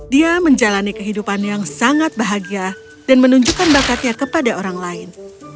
dia menjalani kehidupan yang sangat bahagia dan menunjukkan bakatnya kepada orang lain